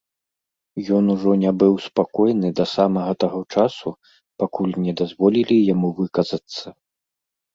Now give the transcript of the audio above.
Ён ужо не быў спакойны да самага таго часу, пакуль не дазволілі яму выказацца.